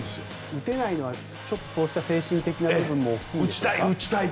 打てないのはちょっとそうした精神的な部分も大きいんですかね。